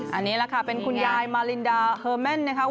อันนี้แหละค่ะเป็นคุณยายมารินดาเฮอร์แมนนะครับ